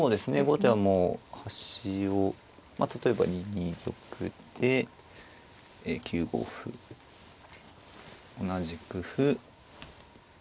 後手も端をまあ例えば２二玉で９五歩同じく歩。